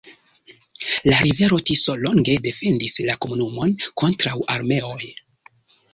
La rivero Tiso longe defendis la komunumon kontraŭ armeoj.